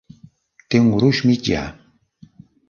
Té un gruix mitjà.